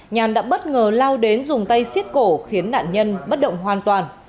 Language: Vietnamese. nhàn đã bất ngờ lao đến dùng tay xiết cổ khiến nạn nhân bất động hoàn toàn